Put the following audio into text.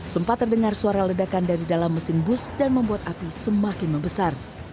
sempat terdengar suara ledakan dari dalam mesin bus dan membuat api semakin membesar